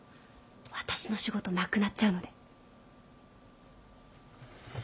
私の仕事なくなっちゃうので。